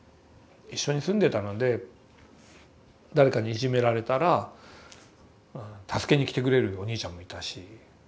一緒に住んでたので誰かにいじめられたら助けに来てくれるおにいちゃんもいたし。